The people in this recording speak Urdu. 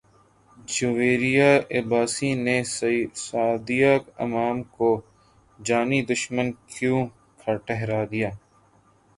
جویریہ عباسی نے سعدیہ امام کو جانی دشمن کیوں ٹھہرا دیا